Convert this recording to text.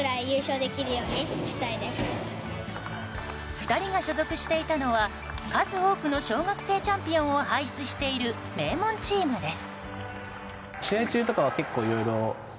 ２人が所属していたのは数多くの小学生チャンピオンを輩出している名門チームです。